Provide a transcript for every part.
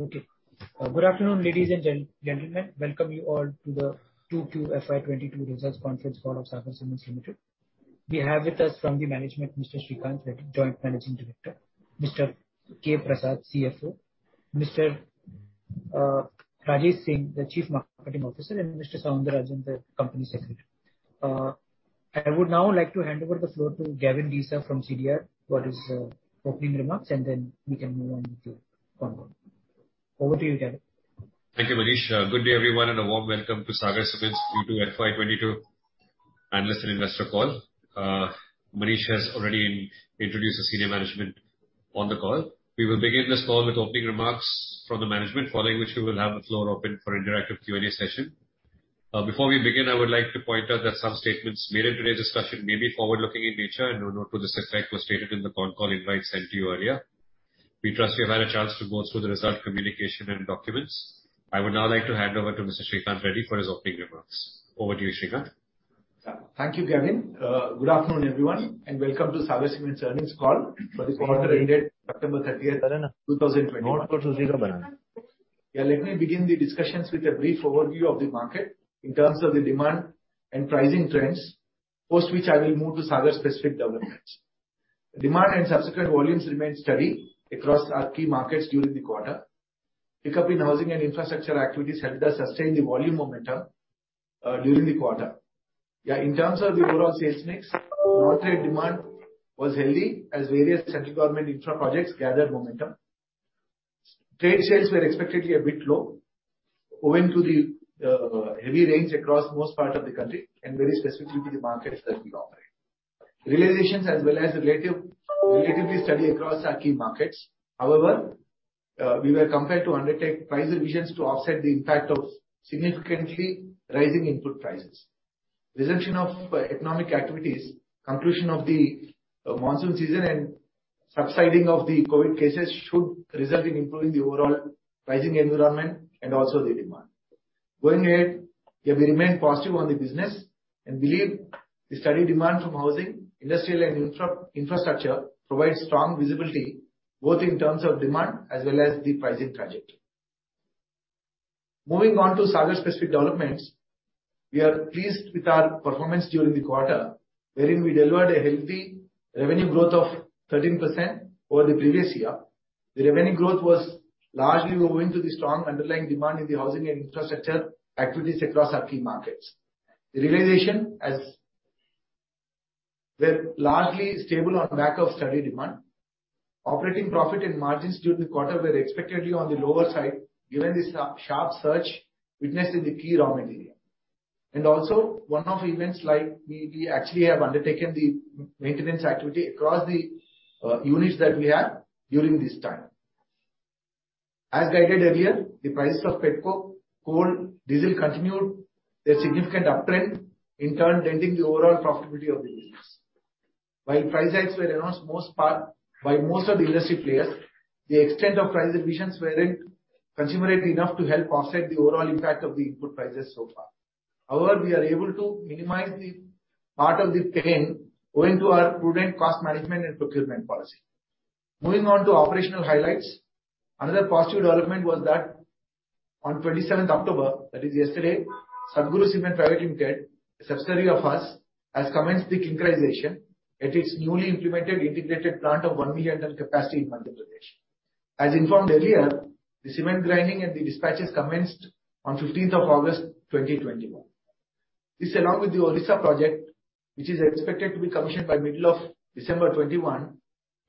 Okay. Good afternoon, ladies and gentlemen. Welcome you all to the Q2 FY 2022 results conference call of Sagar Cements Limited. We have with us from the management Mr. Sreekanth Reddy, Joint Managing Director, Mr. K. Prasad, CFO, Mr. Rajesh Singh, the Chief Marketing Officer, and Mr. Soundarajan, the Company Secretary. I would now like to hand over the floor to Gavin Desa from CDR for his opening remarks, and then we can move on to the call. Over to you, Gavin. Thank you, Manish. Good day, everyone, and a warm welcome to Sagar Cements' Q2 FY 2022 analyst and investor call. Manish has already introduced the senior management on the call. We will begin this call with opening remarks from the management, following which we will have the floor open for interactive Q&A session. Before we begin, I would like to point out that some statements made in today's discussion may be forward-looking in nature and a note to this effect was stated in the conference call invite sent to you earlier. We trust you've had a chance to go through the results communication and documents. I would now like to hand over to Mr. Sreekanth Reddy for his opening remarks. Over to you, Sreekanth. Thank you, Gavin. Good afternoon, everyone, and welcome to Sagar Cements' earnings call for the quarter ended September 30, 2021. Let me begin the discussions with a brief overview of the market in terms of the demand and pricing trends, post which I will move to Sagar's specific developments. Demand and subsequent volumes remained steady across our key markets during the quarter. Pick-up in housing and infrastructure activities helped us sustain the volume momentum during the quarter. In terms of the overall sales mix, non-trade demand was healthy as various central government infra projects gathered momentum. Trade sales were expectedly a bit low owing to the heavy rains across most part of the country and very specifically the markets that we operate. Realizations as well as relatively steady across our key markets. However, we were compelled to undertake price revisions to offset the impact of significantly rising input prices. Resumption of economic activities, conclusion of the monsoon season, and subsiding of the COVID cases should result in improving the overall pricing environment and also the demand. Going ahead, yeah, we remain positive on the business and believe the steady demand from housing, industrial, and infrastructure provides strong visibility, both in terms of demand as well as the pricing trajectory. Moving on to Sagar-specific developments, we are pleased with our performance during the quarter, wherein we delivered a healthy revenue growth of 13% over the previous year. The revenue growth was largely owing to the strong underlying demand in the housing and infrastructure activities across our key markets. The realizations were largely stable on the back of steady demand. Operating profit and margins during the quarter were expectedly on the lower side given the sharp surge witnessed in the key raw material. One-off events like we actually have undertaken the maintenance activity across the units that we have during this time. As guided earlier, the prices of pet coke, coal, diesel continued a significant uptrend, in turn denting the overall profitability of the business. While price hikes were announced in most parts by most of the industry players, the extent of price revisions weren't commensurate enough to help offset the overall impact of the input prices so far. However, we are able to minimize the part of the pain owing to our prudent cost management and procurement policy. Moving on to operational highlights, another positive development was that on 27th October, that is yesterday, Satguru Cement Private Limited, a subsidiary of us, has commenced the clinkerization at its newly implemented integrated plant of 1 million ton capacity in Madhya Pradesh. As informed earlier, the cement grinding and the dispatches commenced on 15th of August 2021. This along with the Odisha project, which is expected to be commissioned by middle of December 2021,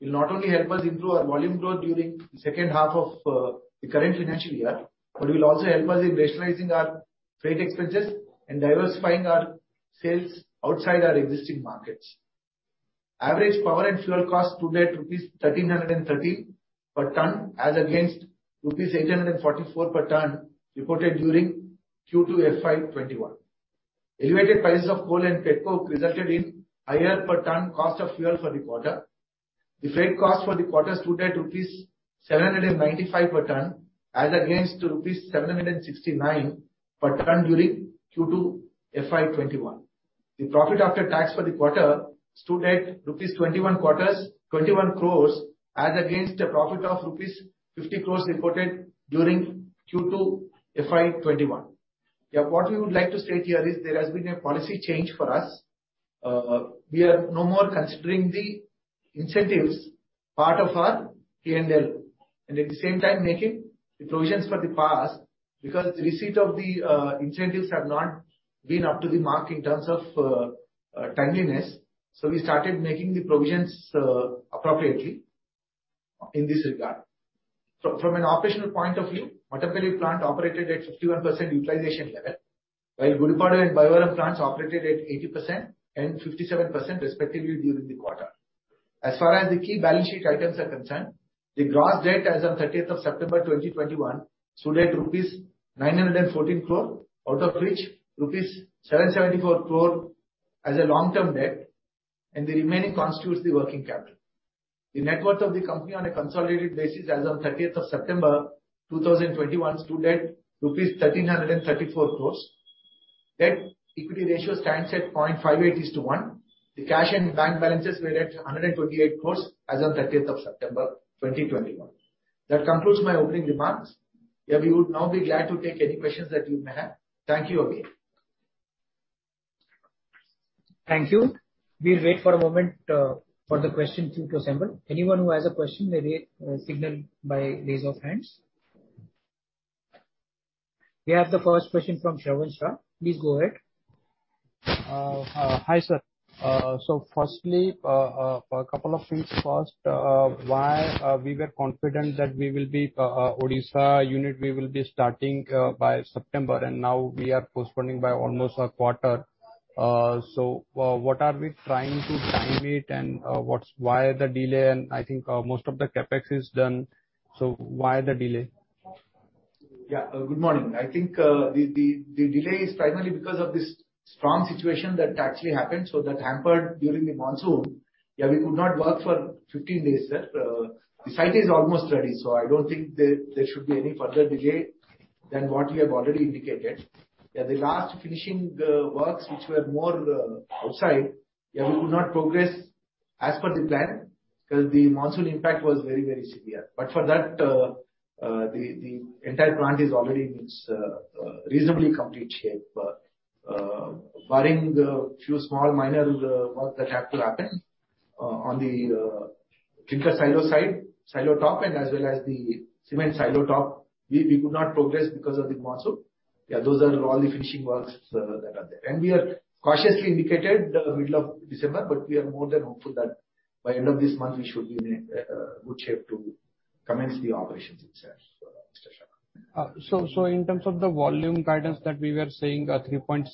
will not only help us improve our volume growth during the second half of the current financial year, but will also help us in rationalizing our freight expenses and diversifying our sales outside our existing markets. Average power and fuel cost stood at rupees 1,330 per ton as against rupees 844 per ton reported during Q2 FY 2021. Elevated prices of coal and pet coke resulted in higher per ton cost of fuel for the quarter. The freight cost for the quarter stood at rupees 795 per ton as against rupees 769 per ton during Q2 FY 2021. The profit after tax for the quarter stood at 21 crores as against a profit of rupees 50 crores reported during Q2 FY 2021. What we would like to state here is there has been a policy change for us. We are no more considering the incentives part of our P&L. At the same time making the provisions for the past, because the receipt of the incentives have not been up to the mark in terms of timeliness. We started making the provisions appropriately in this regard. From an operational point of view, Dachepalli plant operated at 51% utilization level, while Gudipadu and Byatarayanapura plants operated at 80% and 57% respectively during the quarter. As far as the key balance sheet items are concerned, the gross debt as on 30th of September 2021 stood at rupees 914 crores, out of which rupees 774 crores as a long-term debt, and the remaining constitutes the working capital. The net worth of the company on a consolidated basis as on 30th of September 2021 stood at rupees 1,334 crores. The debt-equity ratio stands at 0.58:1. The cash and bank balances were at 128 crores as of 30th of September 2021. That concludes my opening remarks. Yeah, we would now be glad to take any questions that you may have. Thank you again. Thank you. We'll wait for a moment for the questions to assemble. Anyone who has a question may raise a signal by a raise of hands. We have the first question from Shravan Shah. Please go ahead. Hi, sir. Firstly, a couple of things first. Why were we confident that we will be starting the Odisha unit by September and now we are postponing by almost a quarter. What are we trying to time it and why the delay? I think most of the CapEx is done. Why the delay? Yeah. Good morning. I think, the delay is primarily because of this strong situation that actually happened. That hampered during the monsoon. Yeah, we could not work for 15 days, sir. The site is almost ready, so I don't think there should be any further delay than what we have already indicated. Yeah, the last finishing works which were more outside, we could not progress as per the plan because the monsoon impact was very severe. For that, the entire plant is already in its reasonably complete shape. Barring the few small minor work that have to happen on the clinker silo side, silo top, and as well as the cement silo top. We could not progress because of the monsoon. Yeah, those are all the finishing works that are there. We have cautiously indicated the middle of December, but we are more than hopeful that by end of this month we should be in a good shape to commence the operations itself, Mr. Shah. In terms of the volume guidance that we were saying, 3.6,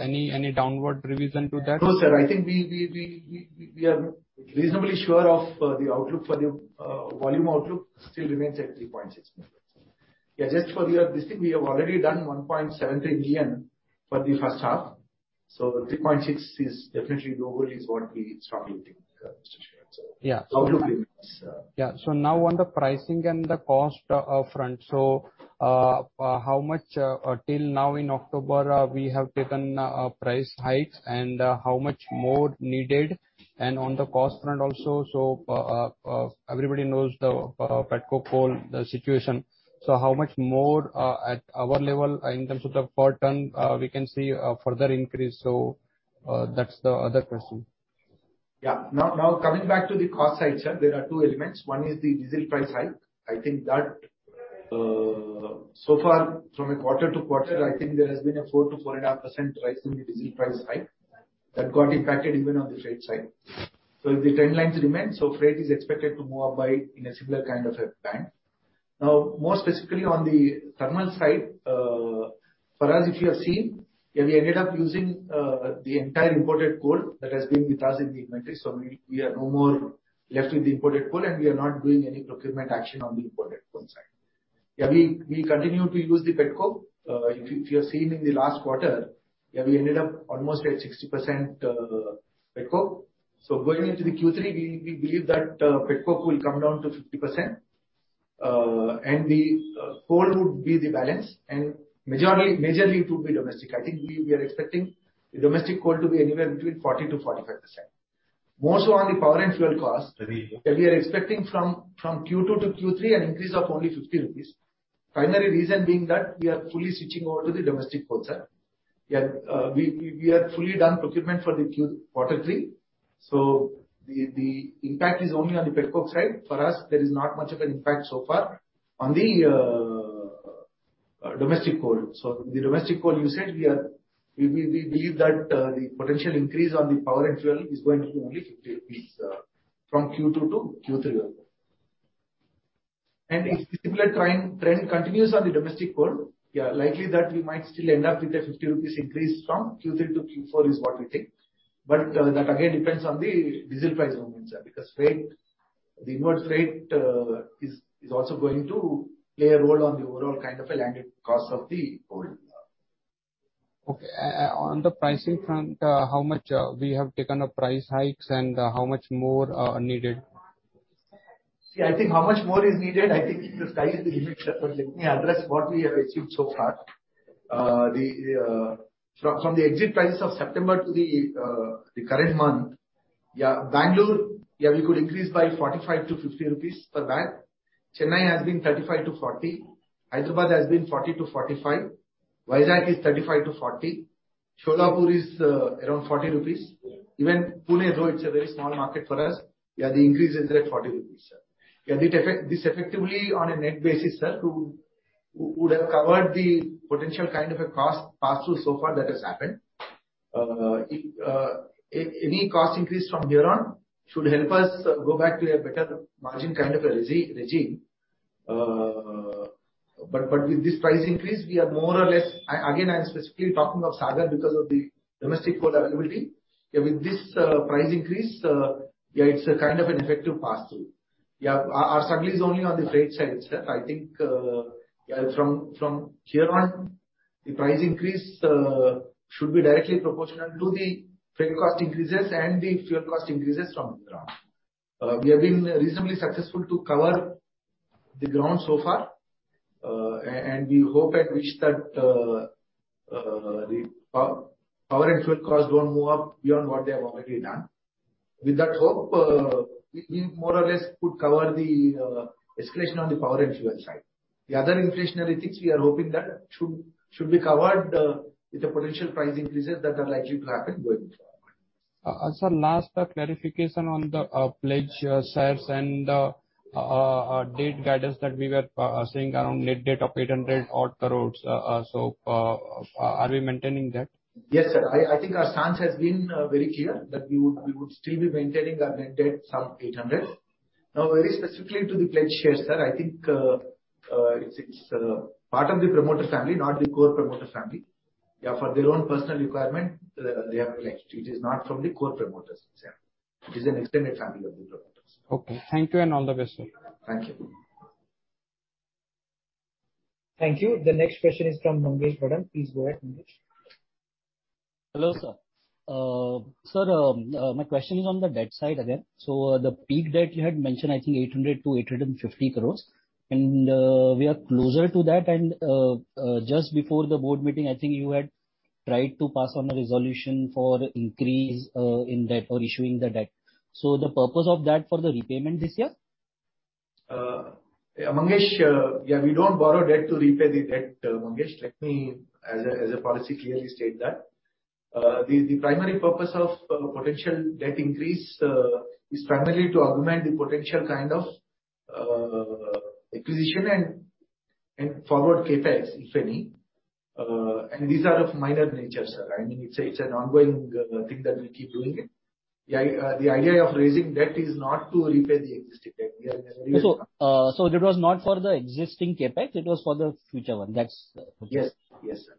any downward revision to that? No, sir. I think we are reasonably sure of the outlook for the volume outlook still remains at 3.6. Yeah, just for your this thing, we have already done 1.73 million for the first half. 3.6 is definitely lower is what we are targeting, Mr. Shah. Yeah. Outlook remains. Now on the pricing and the cost front. How much till now in October we have taken price hikes and how much more needed? On the cost front also, everybody knows the petcoke coal situation. How much more at our level in terms of the per ton we can see a further increase? That's the other question. Now coming back to the cost side, sir, there are two elements. One is the diesel price hike. I think that so far from a quarter to quarter, I think there has been a 4%-4.5% rise in the diesel price hike. That got impacted even on the freight side. The trend lines remain, freight is expected to move up by in a similar kind of a band. Now, more specifically on the thermal side, for us, if you have seen, we ended up using the entire imported coal that has been with us in the inventory. We are no more left with the imported coal and we are not doing any procurement action on the imported coal side. We continue to use the petcoke. If you have seen in the last quarter, we ended up almost at 60% petcoke. Going into the Q3, we believe that petcoke will come down to 50%. The coal would be the balance and majorly it would be domestic. I think we are expecting the domestic coal to be anywhere between 40%-45%. More so on the power and fuel cost. Ready. That we are expecting from Q2 to Q3 an increase of only 50 rupees. Primary reason being that we are fully switching over to the domestic coal, sir. Yeah, we are fully done procurement for the quarter three, so the impact is only on the petcoke side. For us there is not much of an impact so far on the domestic coal. So the domestic coal usage, we believe that the potential increase on the power and fuel is going to be only 50 rupees from Q2 to Q3. If similar trend continues on the domestic coal, yeah, likely that we might still end up with a 50 rupees increase from Q3 to Q4 is what we think. That again depends on the diesel price movements, sir, because freight, the inward freight, is also going to play a role on the overall kind of a landed cost of the coal. Okay. On the pricing front, how much we have taken the price hikes and how much more are needed? I think how much more is needed. I think the sky is the limit, sir. Let me address what we have achieved so far. From the exit prices of September to the current month, Bangalore, we could increase by 45- 50 rupees per bag. Chennai has been 35- 40. Hyderabad has been 40- 45. Vizag is 35- 40. Solapur is around 40 rupees. Even Pune, though it is a very small market for us, the increase is at 40 rupees, sir. This effectively on a net basis, sir, would have covered the potential kind of a cost pass-through so far that has happened. Any cost increase from here on should help us go back to a better margin kind of a regime. With this price increase, we are more or less. Again, I'm specifically talking of Sagar because of the domestic coal availability. With this price increase, it's a kind of an effective pass-through. Our struggle is only on the freight side, sir. I think from here on, the price increase should be directly proportional to the freight cost increases and the fuel cost increases from here on. We have been reasonably successful to cover the ground so far, and we hope and wish that the power and fuel costs don't move up beyond what they have already done. With that hope, we more or less could cover the escalation on the power and fuel side. The other inflationary things we are hoping that should be covered with the potential price increases that are likely to happen going forward. Sir, last clarification on the pledge shares and debt guidance that we were seeing around net debt of 800 odd crore. Are we maintaining that? Yes, sir. I think our stance has been very clear that we would still be maintaining our net debt some 800. Now, very specifically to the pledged shares, sir, I think it's part of the promoter family, not the core promoter family. Yeah, for their own personal requirement, they have pledged. It is not from the core promoters itself. It is an extended family of the promoters. Okay. Thank you, and all the best, sir. Thank you. Thank you. The next question is from Mangesh Bhadang. Please go ahead, Mangesh. Hello, sir. My question is on the debt side again. The peak debt you had mentioned, I think 800 crore-850 crore, and just before the board meeting, I think you had tried to pass a resolution for increase in debt or issuing the debt. The purpose of that for the repayment this year? Mangesh, yeah, we don't borrow debt to repay the debt, Mangesh. Let me, as a policy, clearly state that. The primary purpose of potential debt increase is primarily to augment the potential kind of acquisition and forward CapEx, if any. And these are of minor nature, sir. I mean, it's an ongoing thing that we keep doing it. The idea of raising debt is not to repay the existing debt. We are in a very- That was not for the existing CapEx, it was for the future one. That's Yes. Yes, sir.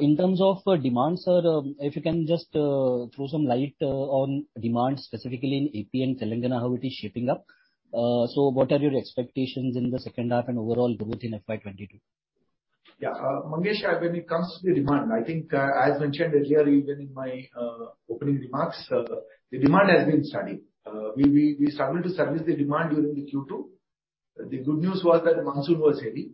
In terms of demand, sir, if you can just throw some light on demand specifically in AP and Telangana, how it is shaping up. What are your expectations in the second half and overall growth in FY 2022? Yeah. Mangesh, when it comes to the demand, I think, as mentioned earlier, even in my opening remarks, the demand has been steady. We struggled to service the demand during the Q2. The good news was that monsoon was heavy,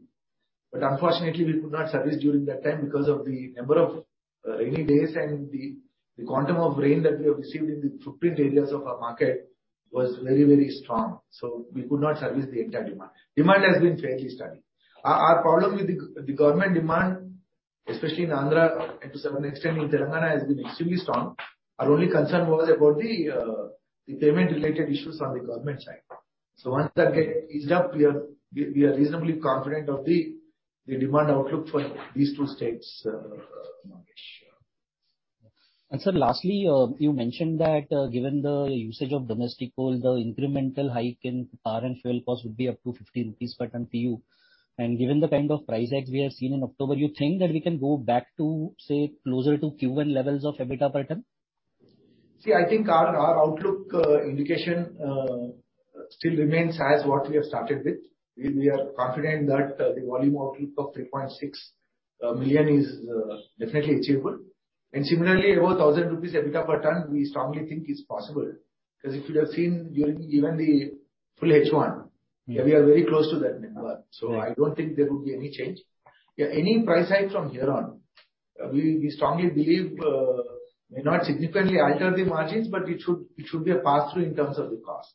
but unfortunately we could not service during that time because of the number of rainy days and the quantum of rain that we have received in the footprint areas of our market was very, very strong, so we could not service the entire demand. Demand has been fairly steady. Our problem with the government demand, especially in Andhra and to some extent in Telangana, has been extremely strong. Our only concern was about the payment related issues on the government side. Once that get eased up, we are reasonably confident of the demand outlook for these two states, Mangesh. Sir, lastly, you mentioned that, given the usage of domestic coal, the incremental hike in power and fuel costs would be up to INR 15 per ton to you. Given the kind of price hike we have seen in October, you think that we can go back to, say, closer to Q1 levels of EBITDA per ton? See, I think our outlook indication still remains as what we have started with. We are confident that the volume outlook of 3.6 million is definitely achievable. Similarly, above 1,000 rupees EBITDA per ton, we strongly think is possible. Because if you'd have seen during even the full H1, we are very close to that number. I don't think there would be any change. Any price hike from here on, we strongly believe may not significantly alter the margins, but it should be a pass-through in terms of the cost.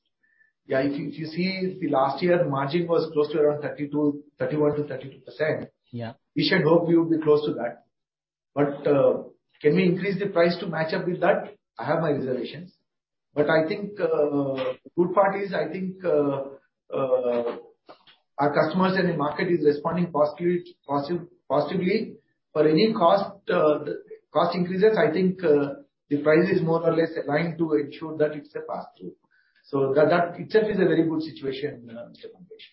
If you see the last year, the margin was close to around 32%, 31%-32%. Yeah. We should hope we would be close to that. Can we increase the price to match up with that? I have my reservations. I think the good part is, I think our customers and the market is responding positively to any cost increases. I think the price is more or less aligned to ensure that it's a pass-through. That itself is a very good situation, Mr. Mangesh.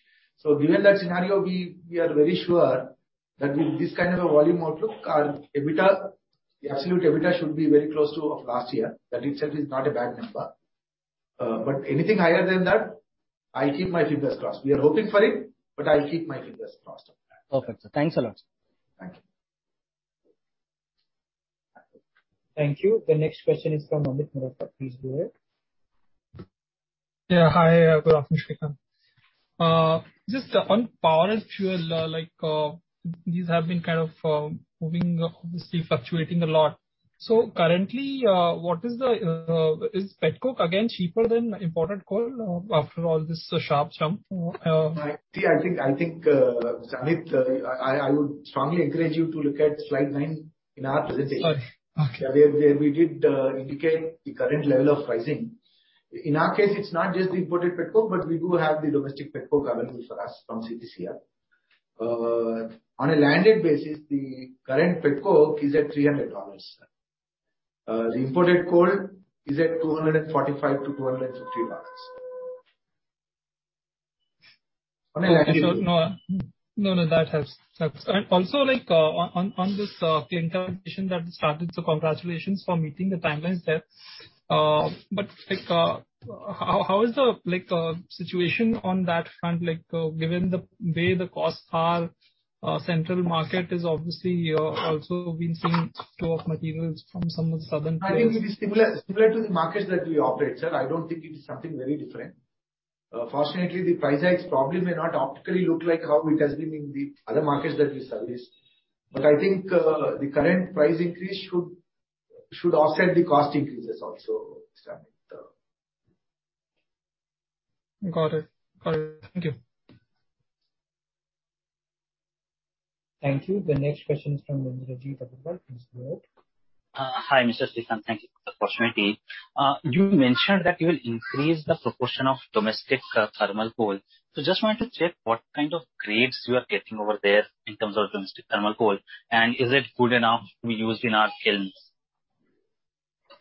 Given that scenario, we are very sure that with this kind of a volume outlook, our EBITDA, the absolute EBITDA should be very close to that of last year. That itself is not a bad number. Anything higher than that, I'll keep my fingers crossed. We are hoping for it, but I'll keep my fingers crossed. Perfect, sir. Thanks a lot. Thank you. Thank you. The next question is from Amit Murarka. Please go ahead. Yeah, hi. Good afternoon, Srikanth. Just on power and fuel, like, these have been kind of moving, obviously fluctuating a lot. Currently, is petcoke again cheaper than imported coal after all this sharp jump? I think, Amit, I would strongly encourage you to look at slide nine in our presentation. Sorry. Okay. There we did indicate the current level of pricing. In our case, it's not just the imported petcoke, but we do have the domestic petcoke available for us from HPCL. On a landed basis, the current petcoke is at $300, sir. The imported coal is at $245-$250. Okay. No, that helps. That's also like on this plant commissioning that started. Congratulations for meeting the timelines there. But like, how is the like situation on that front? Like, given the way the costs are, central market is obviously. Also, we've seen flow of materials from some of the southern states. I think it is similar to the markets that we operate, sir. I don't think it is something very different. Fortunately, the price hikes probably may not optically look like how it has been in the other markets that we service. I think the current price increase should offset the cost increases also, sir. Got it. Thank you. Thank you. The next question is from Rajat. Hi, Mr. Sreekanth. Thank you for the opportunity. You mentioned that you will increase the proportion of domestic thermal coal. Just wanted to check what kind of grades you are getting over there in terms of domestic thermal coal, and is it good enough to be used in our kilns?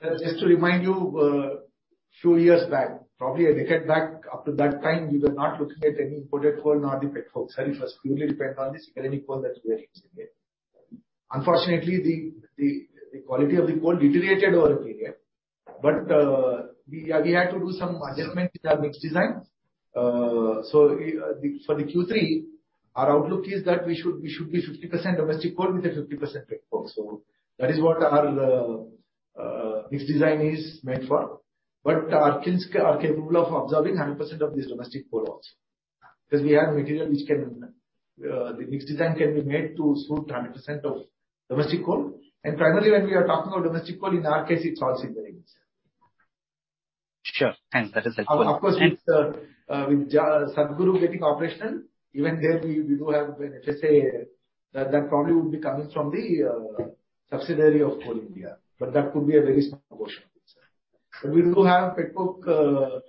Sir, just to remind you, few years back, probably a decade back, up to that time, we were not looking at any imported coal, nor the petcoke. Sir, it was purely dependent on the secondary coal that we are using here. Unfortunately, the quality of the coal deteriorated over a period. We had to do some adjustment in our mix design. So, the For the Q3, our outlook is that we should be 50% domestic coal with a 50% pet coke. That is what our mix design is meant for. Our kilns are capable of absorbing 100% of this domestic coal also. Because we have material which can, the mix design can be made to suit 100% of domestic coal. Primarily when we are talking about domestic coal, in our case it's all secondary coal. Sure. Thanks. That is helpful. Of course, with Satguru getting operational, even there we do have an FSA. That probably would be coming from the subsidiary of Coal India, but that could be a very small portion of it, sir. We do have pet coke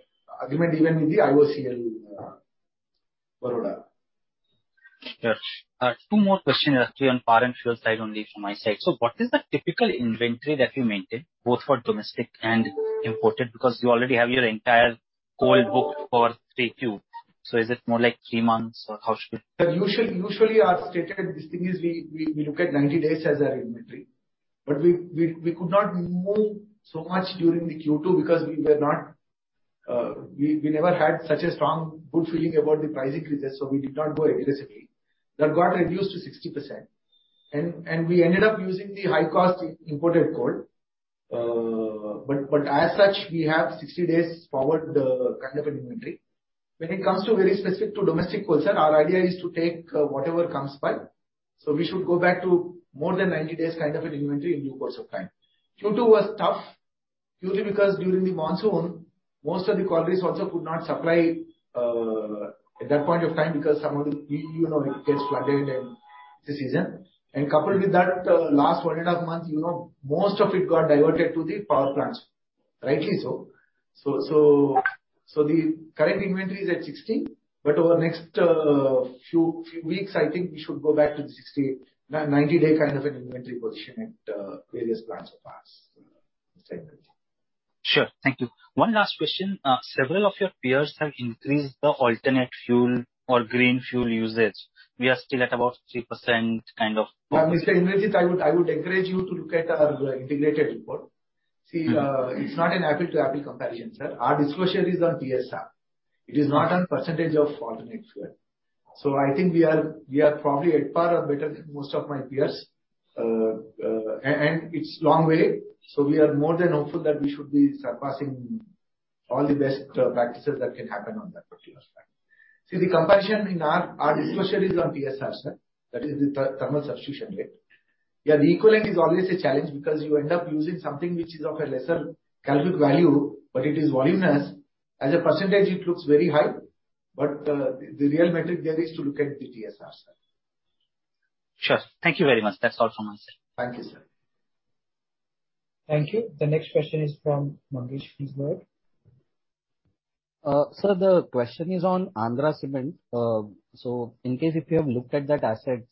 agreement even with the IOCL, Baroda. Yes. Two more questions actually on foreign fuel side only from my side. What is the typical inventory that you maintain, both for domestic and imported? Because you already have your entire coal booked for 3Q. Is it more like three months? Usually as stated, we look at 90 days as our inventory. We could not move so much during the Q2 because we were not, we never had such a strong good feeling about the price increases, so we did not go aggressively. That got reduced to 60%. We ended up using the high-cost imported coal. As such, we have 60 days forward kind of an inventory. When it comes to very specific to domestic coal, sir, our idea is to take whatever comes by. We should go back to more than 90 days kind of an inventory in due course of time. Q2 was tough, usually because during the monsoon, most of the quarries also could not supply at that point of time because some of the key, you know, it gets flooded in the season. Coupled with that, last 1.5 months, you know, most of it got diverted to the power plants, rightly so. The current inventory is at 60, but over next few weeks, I think we should go back to the 60 day-90 day kind of an inventory position at various plants of ours, sir. Sure. Thank you. One last question. Several of your peers have increased the alternate fuel or green fuel usage. We are still at about 3%. Mr. Rajat, I would encourage you to look at our integrated report. See, it's not an apples to apples comparison, sir. Our disclosure is on TSR. It is not on percentage of alternate fuel. I think we are probably at par or better than most of my peers. It's long way, so we are more than hopeful that we should be surpassing all the best practices that can happen on that particular front. See, the comparison in our disclosure is on TSR, sir. That is the thermal substitution rate. Yeah, the equivalent is always a challenge because you end up using something which is of a lesser calorific value, but it is voluminous. As a percentage, it looks very high, but the real metric there is to look at the TSR, sir. Sure. Thank you very much. That's all from my side. Thank you, sir. Thank you. The next question is from Mangesh. Please go ahead. Sir, the question is on Andhra Cements. In case if you have looked at that asset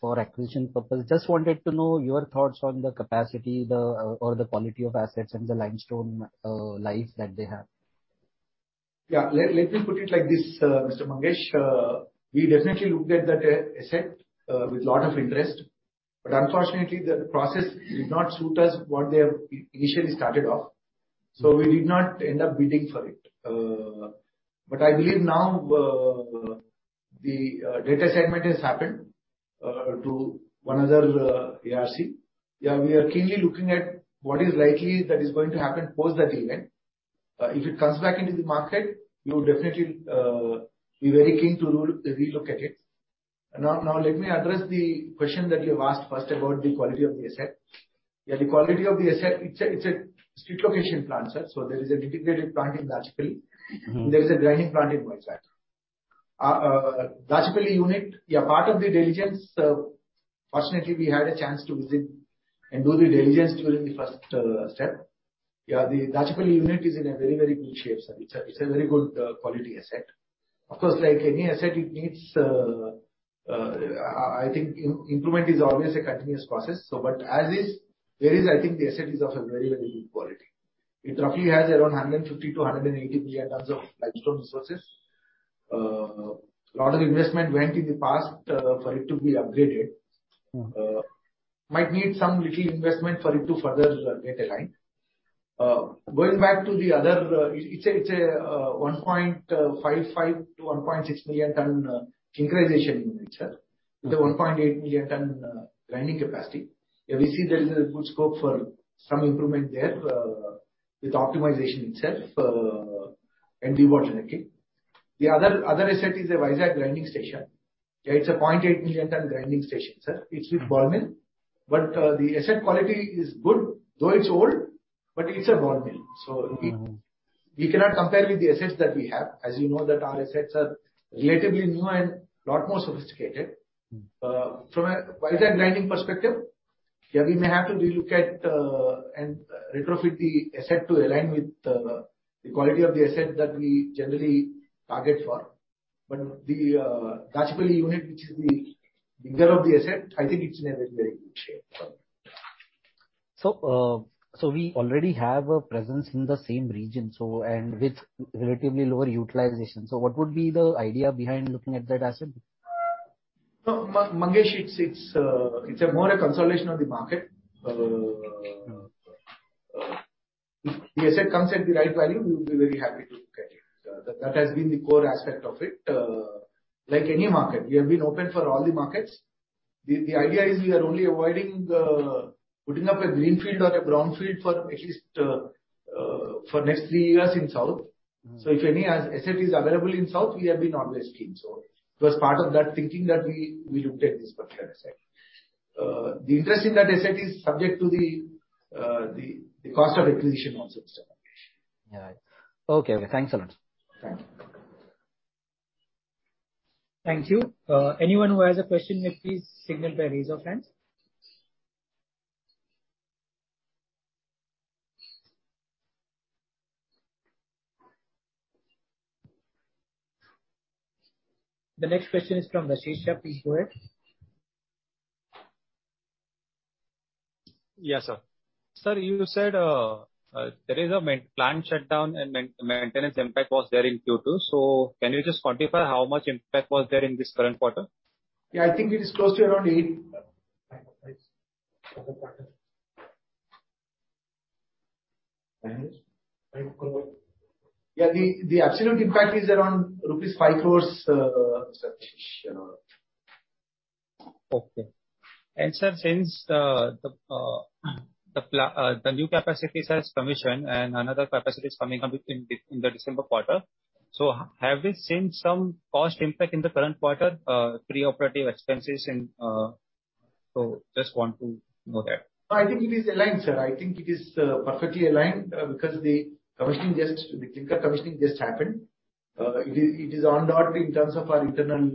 for acquisition purpose, just wanted to know your thoughts on the capacity, or the quality of assets and the limestone life that they have. Let me put it like this, Mr. Mangesh. We definitely looked at that asset with a lot of interest. Unfortunately, the process did not suit us what they have initially started off. We did not end up bidding for it. I believe now the debt assignment has happened to one other ARC. Yeah, we are keenly looking at what is likely that is going to happen post that event. If it comes back into the market, we would definitely be very keen to re-look at it. Now let me address the question that you have asked first about the quality of the asset. Yeah, the quality of the asset, it's a strategic location plant, sir. There is an integrated plant in Dachepalli. There is a grinding plant in Moosapet. Our Dachepalli unit, part of the diligence, fortunately, we had a chance to visit and do the diligence during the first step. The Dachepalli unit is in a very, very good shape, sir. It's a very good quality asset. Of course, like any asset, it needs improvement. I think improvement is always a continuous process. But as is, I think the asset is of a very, very good quality. It roughly has around 150 million tons-180 million tons of limestone resources. A lot of investment went in the past for it to be upgraded. Mm. It might need some little investment for it to further get aligned. Going back to the other, it's a 1.55-1.6 million-ton clinkerization unit, sir. The 1.8 million-ton grinding capacity. Yeah, we see there is a good scope for some improvement there with optimization itself and diversion again. The other asset is a Vizag grinding station. Yeah, it's a 0.8 million-ton grinding station, sir. It's with ball mill. But the asset quality is good, though it's old, but it's a ball mill. So it Mm-hmm. We cannot compare with the assets that we have. As you know that our assets are relatively new and a lot more sophisticated. Mm-hmm. From a Vizag grinding perspective, yeah, we may have to relook at and retrofit the asset to align with the quality of the asset that we generally target for. The Jajpur unit, which is the bigger of the asset, I think it's in a very, very good shape. We already have a presence in the same region, and with relatively lower utilization. What would be the idea behind looking at that asset? Mangesh, it's more a consolidation of the market. If the asset comes at the right value, we would be very happy to look at it. That has been the core aspect of it. Like any market, we have been open for all the markets. The idea is we are only avoiding putting up a greenfield or a brownfield for at least the next three years in south. Mm-hmm. If any asset is available in South, we have been always keen. It was part of that thinking that we looked at this particular asset. The interest in that asset is subject to the cost of acquisition also, Mr. Mangesh. All right. Okay, thanks a lot. Thank you. Thank you. Anyone who has a question may please signal by raise of hands. The next question is from Rajesh Ravi. Please go ahead. Yes, sir. Sir, you said there is a main plant shutdown and maintenance impact was there in Q2. Can you just quantify how much impact was there in this current quarter? Yeah, I think it is close to around eight. Five points. Yeah. The absolute impact is around rupees 5 crores, Mr. Rajesh Ravi. Sir, since the new capacities has commissioned and another capacity is coming up in the December quarter, have we seen some cost impact in the current quarter, pre-operative expenses. Just want to know that. No, I think it is aligned, sir. I think it is perfectly aligned because the clinker commissioning just happened. It is on dot in terms of our internal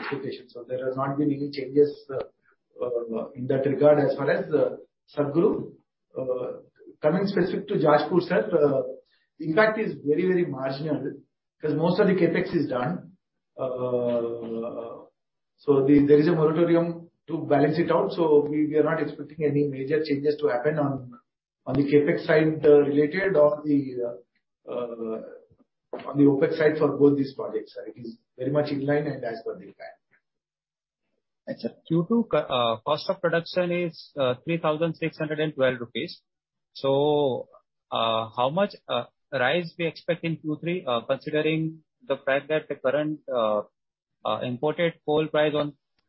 expectations. There has not been any changes in that regard as far as Satguru. Coming specifically to Jajpur, sir, impact is very, very marginal because most of the CapEx is done. There is a moratorium to balance it out, so we are not expecting any major changes to happen on the CapEx side or on the OpEx side for both these projects. It is very much in line and as per the plan. Okay. Q2 cost of production is 3,612 rupees. How much rise we expect in Q3, considering the fact that the current imported coal price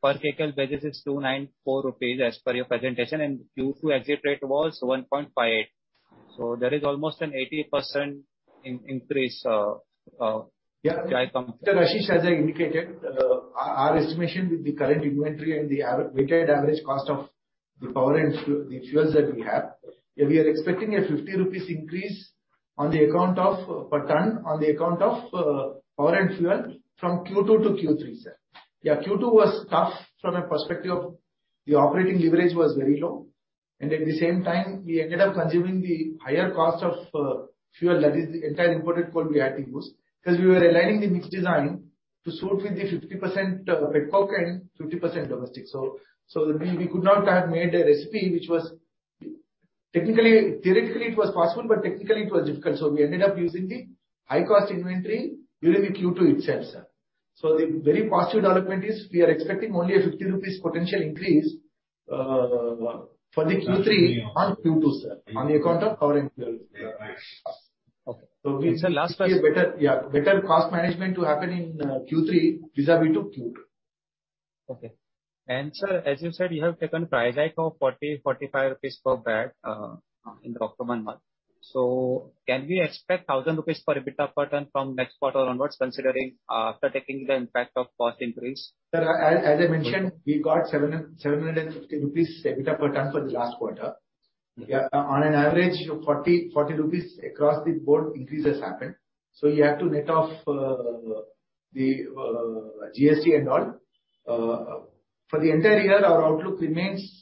on per kilo basis is 294 rupees as per your presentation, and Q2 exit rate was 1.58. There is almost an 80% increase, yeah, can I come- Sir Rajesh, as I indicated, our estimation with the current inventory and the weighted average cost of the power and the fuels that we have, we are expecting a 50 rupees increase on the account of per ton on the account of power and fuel from Q2 to Q3, sir. Yeah, Q2 was tough from a perspective of the operating leverage was very low. At the same time, we ended up consuming the higher cost of fuel that is the entire imported coal we had to use, because we were aligning the mix design to suit with the 50% pet coke and 50% domestic. We could not have made a recipe which was theoretically possible, but technically it was difficult. We ended up using the high cost inventory during the Q2 itself, sir. The very positive development is we are expecting only a 50 rupees potential increase for the Q3 on Q2, sir, on the account of power and fuel. Okay. So we- Sir, last question. Expect better cost management to happen in Q3 vis-à-vis to Q2. Sir, as you said, you have taken price hike of 40-45 rupees per bag in the October month. Can we expect 1,000 rupees for EBITDA per ton from next quarter onwards, considering after taking the impact of cost increase? Sir, as I mentioned, we got 750 rupees EBITDA per ton for the last quarter. Okay. Yeah. On an average, 40 rupees across the board increase has happened. You have to net off the GST and all. For the entire year, our outlook remains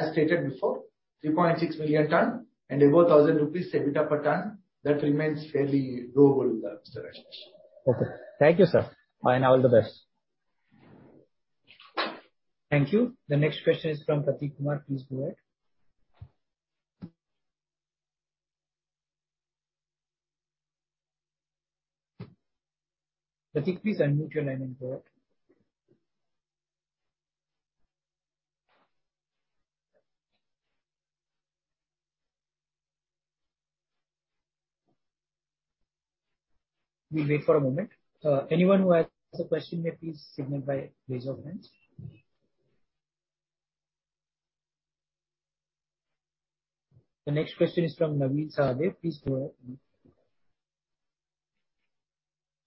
as stated before, 3.6 million ton and above 1,000 rupees EBITDA per ton. That remains fairly doable, Mr. Rajesh Ravi. Okay. Thank you, sir. Bye, and all the best. Thank you. The next question is from Prateek Kumar. Please go ahead. Prateek, please unmute your line and go ahead. We wait for a moment. Anyone who has a question may please signal by raise of hands. The next question is from Navin Sahadeo. Please go ahead.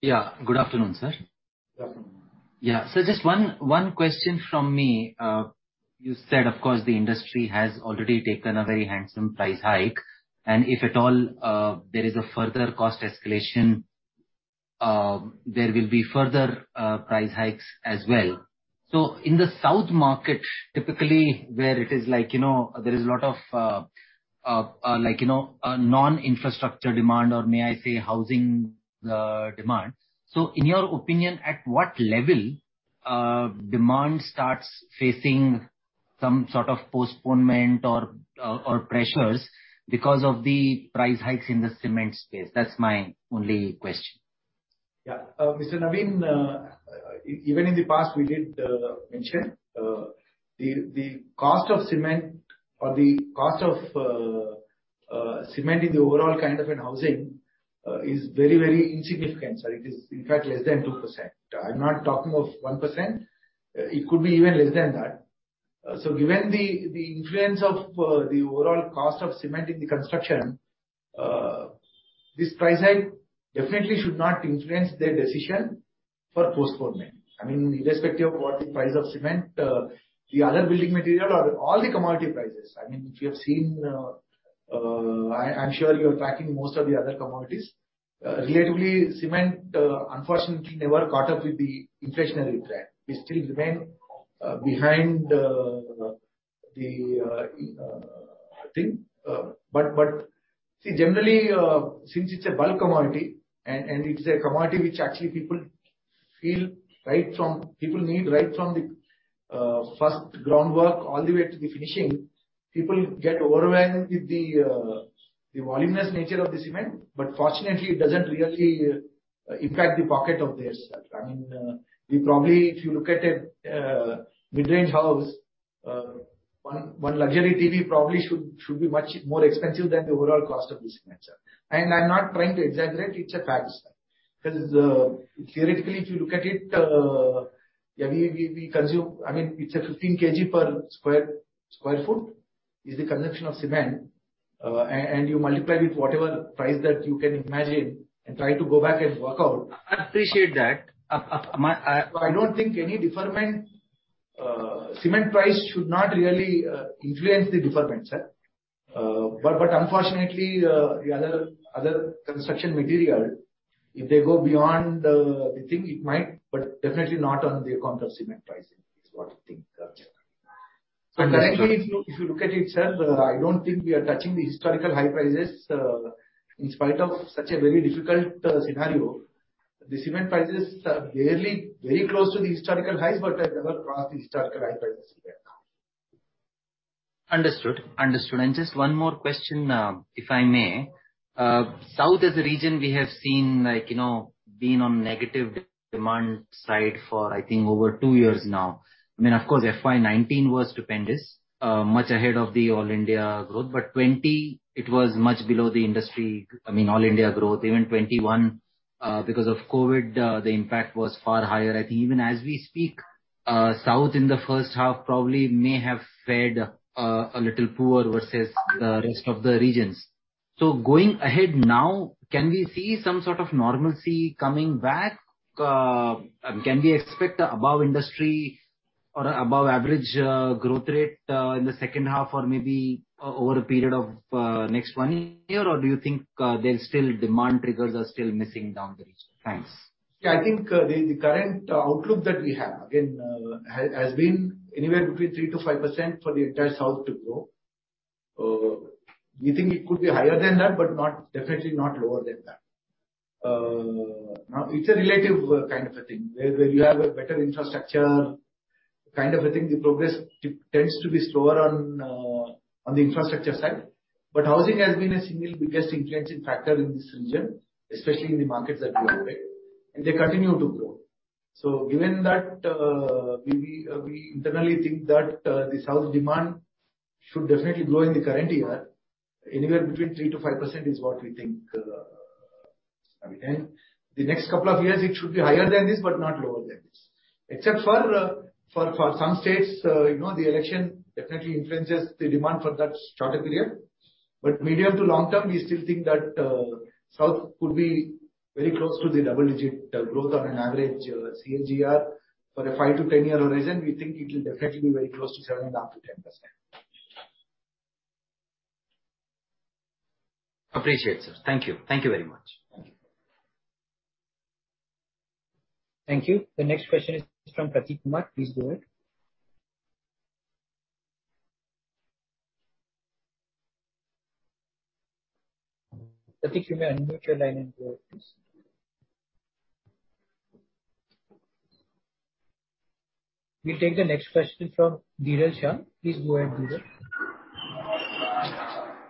Yeah. Good afternoon, sir. Good afternoon. Just one question from me. You said of course the industry has already taken a very handsome price hike, and if at all there is a further cost escalation, there will be further price hikes as well. In the South market, typically where it is like, you know, there is a lot of like, you know, non-infrastructure demand or may I say housing demand. In your opinion, at what level demand starts facing some sort of postponement or pressures because of the price hikes in the cement space? That's my only question. Yeah. Mr. Navin, even in the past we did mention the cost of cement or the cost of cement in the overall kind of in housing is very, very insignificant. It is in fact less than 2%. I'm not talking of 1%. It could be even less than that. Given the influence of the overall cost of cement in the construction, this price hike definitely should not influence their decision for postponement. I mean, irrespective of what the price of cement, the other building material or all the commodity prices. I mean, if you have seen, I'm sure you're tracking most of the other commodities. Relatively, cement unfortunately never caught up with the inflationary trend. We still remain behind the thing. See, generally, since it's a bulk commodity and it's a commodity which actually people need right from the first groundwork all the way to the finishing. People get overwhelmed with the voluminous nature of the cement, but fortunately it doesn't really impact the pocket of this. I mean, we probably, if you look at a mid-range house, one luxury TV probably should be much more expensive than the overall cost of the cement, sir. I'm not trying to exaggerate, it's a fact. Because theoretically if you look at it, yeah, we consume, I mean, it's a 15 kg per sq ft is the consumption of cement. You multiply with whatever price that you can imagine and try to go back and work out. I appreciate that. I don't think any deferment, cement price should not really influence the deferment, sir. Unfortunately, the other construction material, if they go beyond the thing, it might, but definitely not on the account of cement pricing, is what I think. Currently, if you look at itself, I don't think we are touching the historical high prices. In spite of such a very difficult scenario, the cement prices are barely very close to the historical highs, but have never crossed the historical high prices yet. Understood. Just one more question, if I may. South as a region we have seen like, you know, being on negative demand side for I think over two years now. I mean, of course FY 2019 was stupendous, much ahead of the all India growth. 2020 it was much below the industry, I mean, all India growth. Even 2021, because of COVID, the impact was far higher. I think even as we speak, South in the first half probably may have fared a little poor versus the rest of the regions. Going ahead now, can we see some sort of normalcy coming back? Can we expect above industry or above average growth rate in the second half or maybe over a period of next 1 year? Do you think there's still demand triggers are still missing down the region? Thanks. Yeah. I think the current outlook that we have again has been anywhere between 3%-5% for the entire South to grow. We think it could be higher than that, but definitely not lower than that. Now it's a relative kind of a thing where you have a better infrastructure kind of a thing, the progress tends to be slower on the infrastructure side. Housing has been a single biggest influencing factor in this region, especially in the markets that we operate, and they continue to grow. Given that, we internally think that the South demand should definitely grow in the current year. Anywhere between 3%-5% is what we think, I mean. The next couple of years it should be higher than this but not lower than this. Except for some states, you know, the election definitely influences the demand for that shorter period. Medium to long term, we still think that South could be very close to the double-digit growth on an average CAGR. For a five to 10-year horizon, we think it will definitely be very close to 7%-10%. appreciate, sir. Thank you. Thank you very much. Thank you. Thank you. The next question is from Prateek Kumar. Please go ahead. Prateek, you may unmute your line and go ahead, please. We take the next question from Dheeraj Shah. Please go ahead, Dheeraj.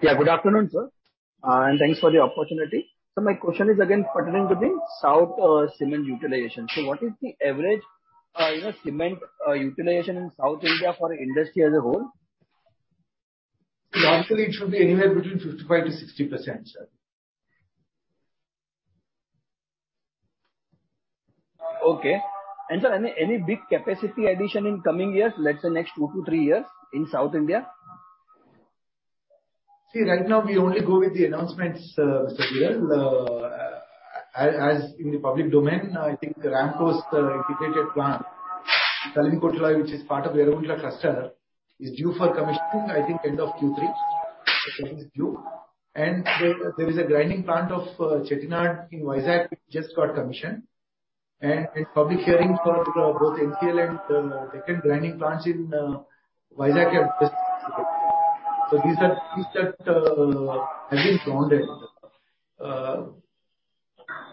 Yeah, good afternoon, sir. Thanks for the opportunity. My question is again pertaining to the south cement utilization. What is the average, you know, cement utilization in South India for industry as a whole? Logically, it should be anywhere between 55%-60%, sir. Okay. Sir, any big capacity addition in coming years, let's say next 2-3 years in South India? See, right now we only go with the announcements, Mr. Viral. As in the public domain, I think Ramco's integrated plant, Talikote, which is part of the Amuntla cluster, is due for commissioning, I think end of Q3. That is due. There is a grinding plant of Chettinad in Vizag which just got commissioned. The public hearings for both NCL and Deccan grinding plants in Vizag have just been held. These are things that have been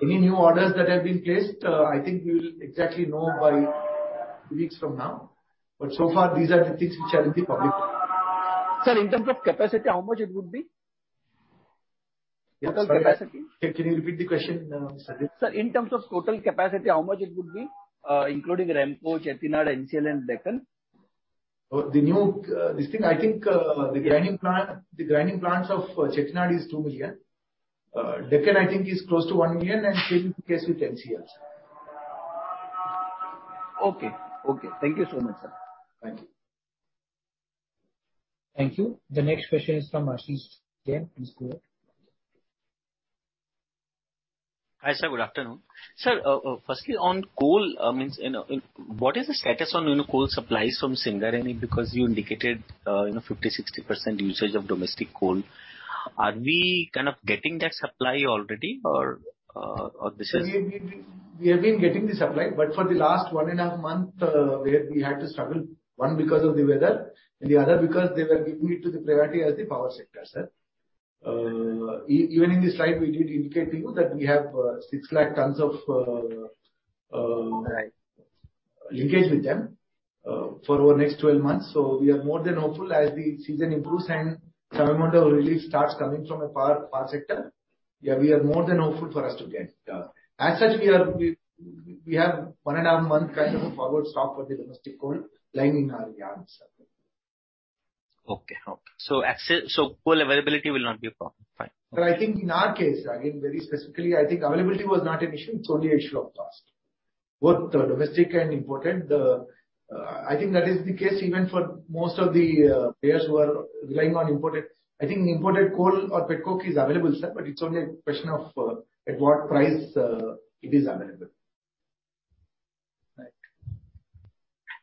announced. Any new orders that have been placed, I think we will exactly know by 2 weeks from now. So far, these are the things which are in the public. Sir, in terms of capacity, how much it would be total capacity? Can you repeat the question, sir? Sir, in terms of total capacity, how much it would be, including Ramco, Chettinad, NCL and Deccan? I think the grinding plants of Chettinad is two million. Deccan, I think is close to one million, and same case with NCL, sir. Okay. Thank you so much, sir. Thank you. Thank you. The next question is from Ashish Jain. Please go ahead. Hi, sir. Good afternoon. Sir, firstly on coal, I mean, you know, what is the status on, you know, coal supplies from Singareni? Because you indicated, you know, 50%-60% usage of domestic coal. Are we kind of getting that supply already or this is- We have been getting the supply, but for the last 1.5 months, we had to struggle, one because of the weather and the other because they were giving it to the priority as the power sector, sir. Even in the slide we did indicate to you that we have 6 lakh tons of Right. Linkage with them for over next 12 months. We are more than hopeful as the season improves and some amount of relief starts coming from a power sector. We are more than hopeful for us to get. As such we have one and a half month kind of a forward stock for the domestic coal lying in our yards. Okay. As such, coal availability will not be a problem. Fine. I think in our case, again, very specifically, I think availability was not an issue. It's only an issue of cost, both the domestic and imported. I think that is the case even for most of the players who are relying on imported. I think imported coal or pet coke is available, sir, but it's only a question of at what price it is available. Right.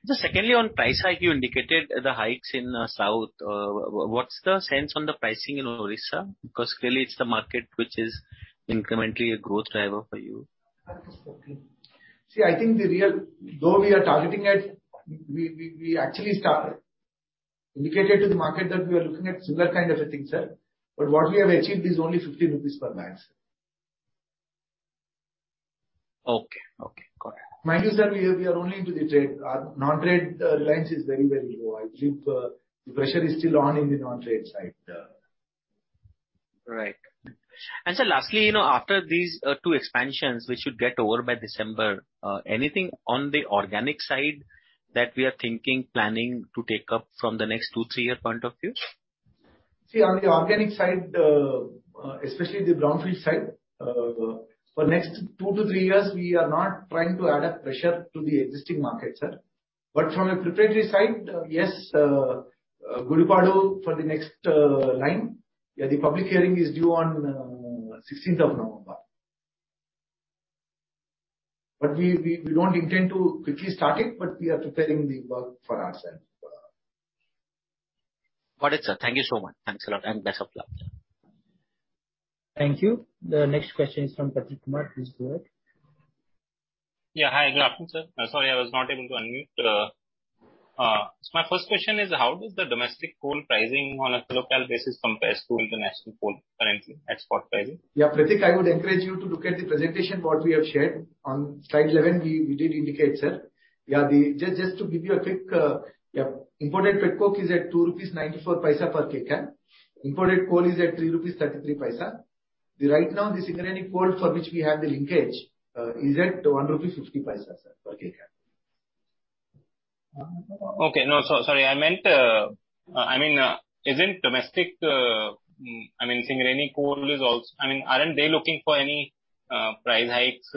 Just secondly, on price hike, you indicated the hikes in South. What's the sense on the pricing in Odisha? Because clearly it's the market which is incrementally a growth driver for you. Absolutely. See, I think the real though we are targeting at, we indicated to the market that we are looking at similar kind of a thing, sir. What we have achieved is only 50 rupees per bag. Okay. Got it. Mind you, sir, we are only into the trade. Our non-trade lines is very, very low. I believe, the pressure is still on in the non-trade side. Right. Sir, lastly, you know, after these, 2 expansions which should get over by December, anything on the organic side that we are thinking, planning to take up from the next two, three-year point of view? See, on the organic side, especially the brownfield side, for next two to three years, we are not trying to add any pressure to the existing market, sir. From a preparatory side, yes, Gudipadu for the next line. Yeah, the public hearing is due on sixteenth of November. We don't intend to quickly start it, but we are preparing the work for ourselves. Got it, sir. Thank you so much. Thanks a lot and best of luck. Thank you. The next question is from Prateek Kumar. Please go ahead. Yeah. Hi, good afternoon, sir. Sorry, I was not able to unmute. My first question is how does the domestic coal pricing on a local basis compare to international coal currently at spot pricing? Yeah, Prateek, I would encourage you to look at the presentation that we have shared. On slide 11, we did indicate, sir. Just to give you a quick, imported pet coke is at 2.94 rupees per kilo. Imported coal is at 3.33 rupees. Right now, the Singareni coal for which we have the linkage is at 1.50 rupee, sir, per kilo. Okay. No, sorry, I meant, I mean, isn't domestic, I mean, Singareni coal is also, I mean, aren't they looking for any price hikes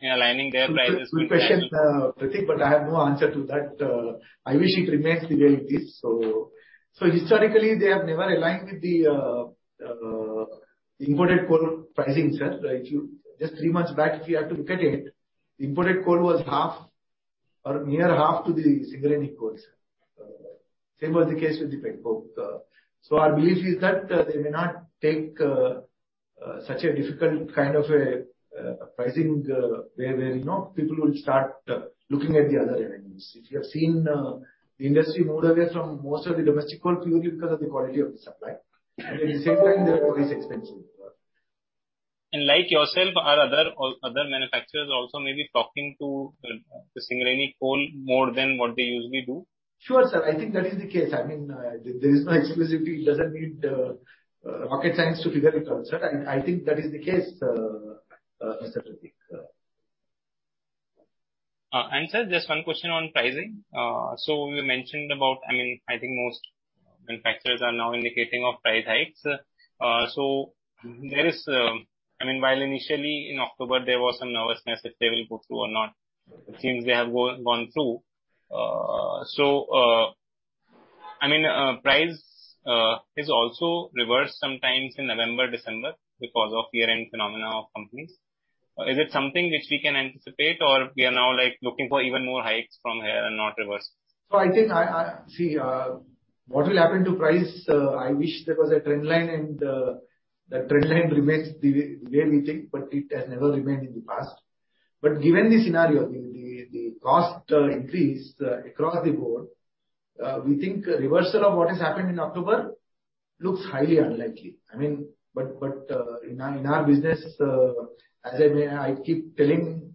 in aligning their prices with? Good question, Prateek, but I have no answer to that. I wish it remains the way it is. So historically, they have never aligned with the imported coal pricing, sir. If you just three months back, if you have to look at it, imported coal was half or near half to the Singareni coal, sir. Same was the case with the pet coke. So our belief is that they may not take such a difficult kind of a pricing where you know people will start looking at the other avenues. If you have seen the industry move away from most of the domestic coal purely because of the quality of the supply. In Singareni, the coal is expensive. Like yourself, are other manufacturers also maybe talking to the Singareni coal more than what they usually do? Sure, sir. I think that is the case. I mean, there is no exclusivity. It doesn't need rocket science to figure it out, sir. I think that is the case, Mr. Prateek. Sir, just one question on pricing. You mentioned about, I mean, I think most manufacturers are now indicating price hikes. I mean, while initially in October there was some nervousness if they will go through or not. It seems they have gone through. I mean, price is also reversed sometimes in November, December because of year-end phenomena of companies. Is it something which we can anticipate or we are now, like, looking for even more hikes from here and not reverse? I think. See, what will happen to price. I wish there was a trend line and the trend line remains the way, the way we think, but it has never remained in the past. Given the scenario, the cost increase across the board, we think reversal of what has happened in October looks highly unlikely. I mean, in our business, as I may, I keep telling,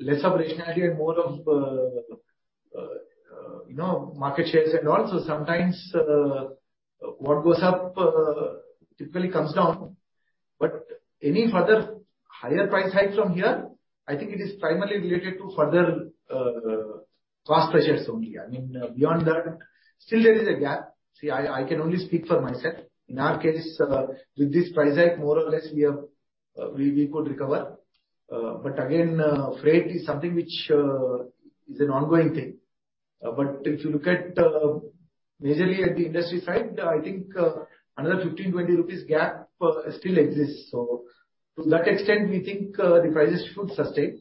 less of rationality and more of, you know, market shares and all. Sometimes, what goes up typically comes down. Any further higher price hike from here, I think it is primarily related to further cost pressures only. I mean, beyond that, still there is a gap. See, I can only speak for myself. In our case, with this price hike, more or less, we could recover. Again, freight is something which is an ongoing thing. If you look at mainly at the industry side, I think another 15-20 rupees gap still exists. To that extent, we think the prices should sustain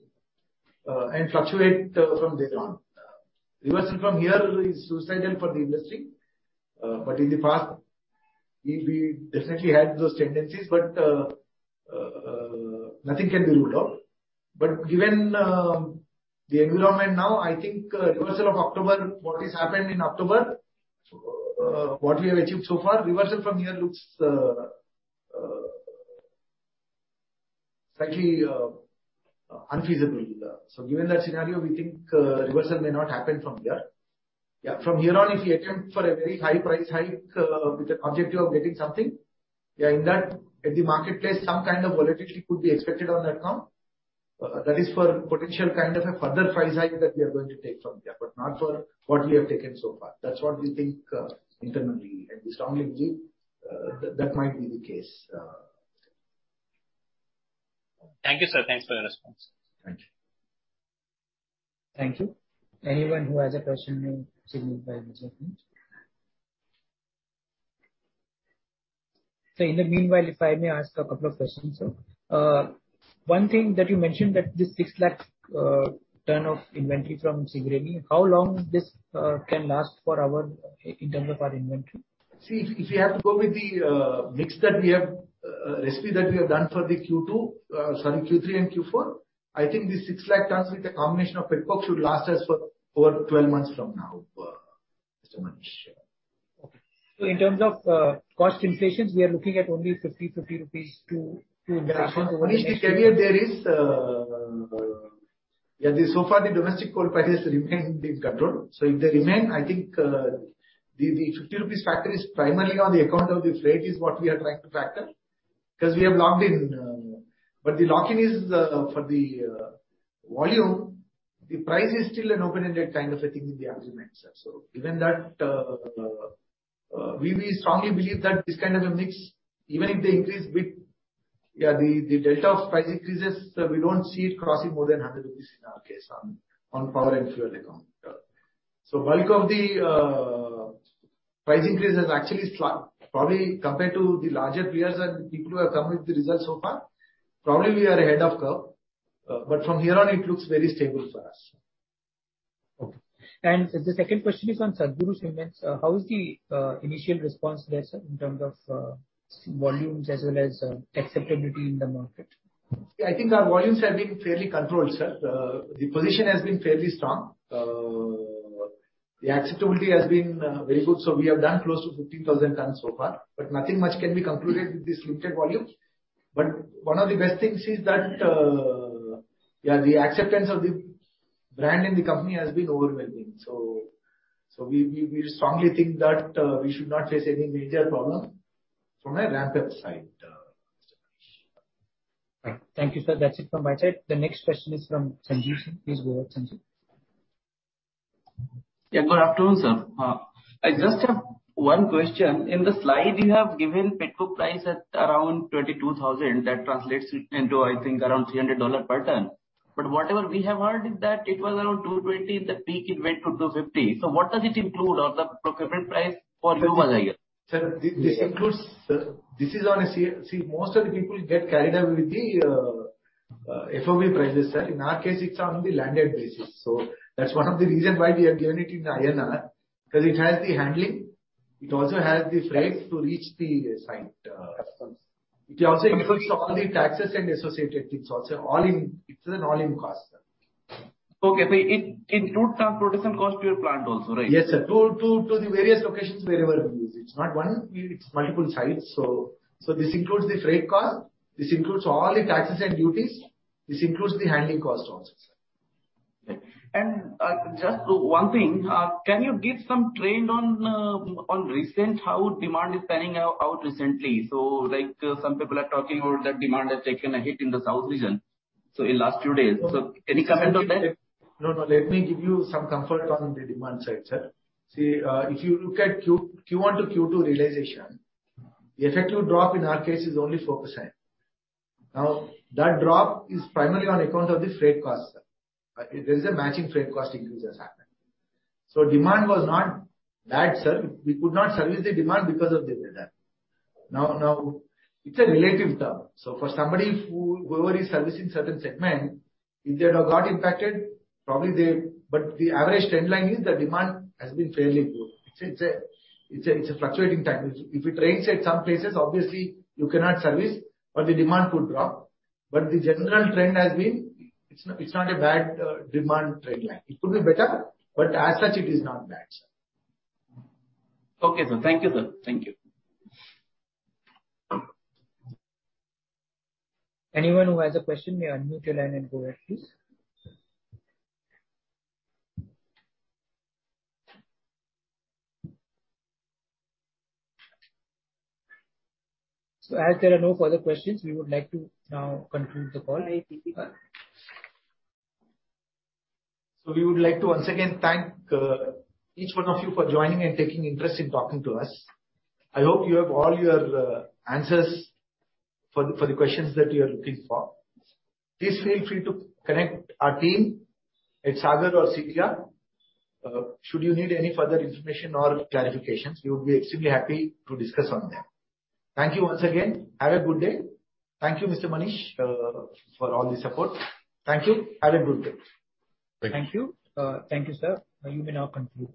and fluctuate from there on. Reversal from here is suicidal for the industry, but in the past, we definitely had those tendencies. Nothing can be ruled out. Given the environment now, I think reversal of October, what has happened in October, what we have achieved so far, reversal from here looks slightly unfeasible. Given that scenario, we think reversal may not happen from here. Yeah. From here on, if we attempt for a very high price hike, with the objective of getting something, in that, at the marketplace, some kind of volatility could be expected on that count. That is for potential kind of a further price hike that we are going to take from there, but not for what we have taken so far. That's what we think, internally, and we strongly believe, that that might be the case. Thank you, sir. Thanks for the response. Thank you. Thank you. Anyone who has a question may signal by raising hand. Sir, in the meanwhile, if I may ask a couple of questions, sir. One thing that you mentioned that this 600,000 tons of inventory from Singareni, how long this can last in terms of our inventory? See, if you have to go with the mix that we have, recipe that we have done for the Q2, sorry, Q3 and Q4, I think the 6 lakh tons with the combination of pet coke should last us for over 12 months from now, Mr. Manish. Okay. In terms of cost inflation, we are looking at only 50 to increase. Manish, the caveat there is. So far, the domestic coal prices remain being controlled. If they remain, I think the 50 rupees factor is primarily on the account of the freight is what we are trying to factor. 'Cause we have locked in, but the lock-in is for the volume. The price is still an open-ended kind of a thing in the agreement, sir. Given that, we strongly believe that this kind of a mix, even if they increase a bit, the delta of price increases, we don't see it crossing more than 100 rupees in our case on power and fuel account. Bulk of the price increase has actually flat. Probably compared to the larger peers and people who have come with the results so far, probably we are ahead of curve. From here on it looks very stable for us. Okay. The second question is on Satguru Cement. How is the initial response there, sir, in terms of sales volumes as well as acceptability in the market? I think our volumes have been fairly controlled, sir. The position has been fairly strong. The acceptability has been very good, so we have done close to 15,000 tons so far, but nothing much can be concluded with this limited volume. One of the best things is that, yeah, the acceptance of the brand in the company has been overwhelming. We strongly think that we should not face any major problem from a ramp-up side, Mr. Manish. Thank you, sir. That's it from my side. The next question is from Sanjeev. Please go ahead, Sanjeev. Yeah, good afternoon, sir. I just have one question. In the slide you have given pet coke price at around 22,000, that translates into, I think, around $300 per ton. But whatever we have heard is that it was around $220, the peak it went to $250. What does it include or the procurement price for you was higher? Most of the people get carried away with the FOB prices, sir. In our case, it's on the landed basis. That's one of the reason why we have given it in INR, 'cause it has the handling. It also has the freight to reach the site. It also includes all the taxes and associated things also, all in. It's an all-in cost, sir. Okay. It includes transportation cost to your plant also, right? Yes, sir. To the various locations wherever we use it. It's not one, it's multiple sites. This includes the freight cost, this includes all the taxes and duties, this includes the handling cost also, sir. Thank you. Just one thing. Can you give some trend on recent how demand is panning out recently? Like, some people are talking about that demand has taken a hit in the south region, so in last few days. Any comment on that? No, no. Let me give you some comfort on the demand side, sir. See, if you look at Q1 to Q2 realization, the effective drop in our case is only 4%. Now, that drop is primarily on account of the freight cost, sir. There is a matching freight cost increase that's happened. Demand was not bad, sir. We could not service the demand because of the weather. Now it's a relative term. For whoever is servicing certain segment, if they have not got impacted, probably they, but the average trend line is the demand has been fairly good. It's a fluctuating time. If it rains at some places, obviously you cannot service or the demand could drop. The general trend has been it's not a bad demand trend line. It could be better, but as such, it is not bad, sir. Okay, sir. Thank you, sir. Thank you. Anyone who has a question may unmute your line and go ahead, please. As there are no further questions, we would like to now conclude the call. We would like to once again thank each one of you for joining and taking interest in talking to us. I hope you have all your answers for the questions that you are looking for. Please feel free to connect our team, it's Sagar or Cynthia. Should you need any further information or clarifications, we would be extremely happy to discuss on that. Thank you once again. Have a good day. Thank you, Mr. Manish, for all the support. Thank you. Have a good day. Thank you. Thank you, sir. You may now conclude.